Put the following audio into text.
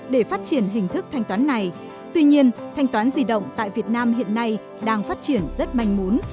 để phát triển hình thức thanh toán này tuy nhiên thanh toán di động tại việt nam hiện nay đang phát triển rất manh muốn